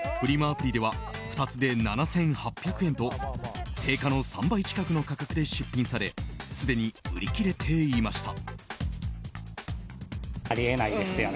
アプリでは２つで７８００円と定価の３倍近くの価格で出品されすでに売り切れていました。